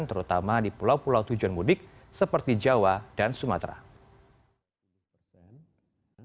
terutama di pulau pulau tujuan mudik seperti jawa dan sumatera